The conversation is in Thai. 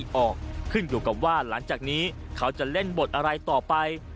ออกขึ้นอยู่กับว่าหลังจากนี้เขาจะเล่นบทอะไรต่อไป